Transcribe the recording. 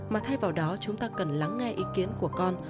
mà thay vào đó chúng ta cần lắng nghe ý kiến của con